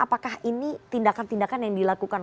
apakah ini tindakan tindakan yang dilakukan